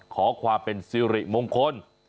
ขอความเป็นสิริมงคล